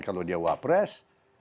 kalau dia wapres